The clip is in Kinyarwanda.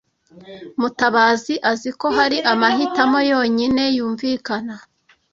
Mutabazi azi ko hari amahitamo yonyine yumvikana.